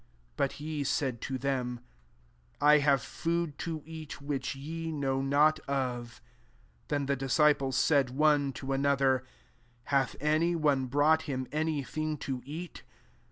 32iBut said to them, *^ I have food eat, which y« know noto£" Then the disoiples> said one another, '^ Hath any one hrou^ him any thing to eat